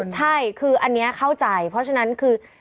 ใช่คืออันนี้เข้าใจเพราะฉะนั้นคือ